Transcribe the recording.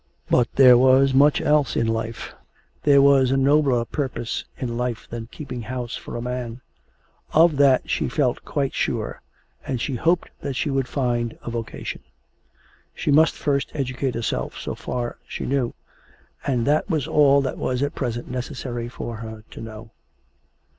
But there was much else in life. There was a nobler purpose in life than keeping house for a man. Of that she felt quite sure, and she hoped that she would find a vocation. She must first educate herself, so far she knew, and that was all that was at present necessary for her to know.